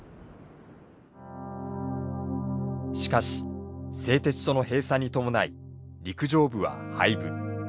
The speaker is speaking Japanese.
しかし製鉄所の閉鎖に伴い陸上部は廃部。